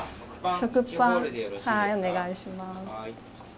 食パンお願いします。